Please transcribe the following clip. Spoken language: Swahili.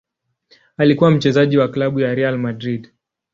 Alikuwa mchezaji wa klabu ya Real Madrid.